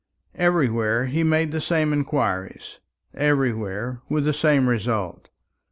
Everywhere he made the same inquiries, everywhere with the same result.